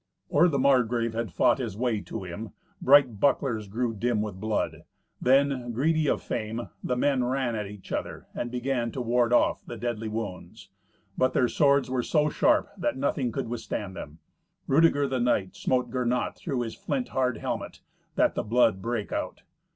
Or the Margrave had fought his way to him, bright bucklers grew dim with blood. Then, greedy of fame, the men ran at each other, and began to ward off the deadly wounds. But their swords were so sharp that nothing could withstand them. Rudeger the knight smote Gernot through his flint hard helmet, that the blood brake out.